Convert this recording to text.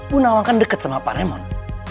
bu nawang kan deket sama pak raymond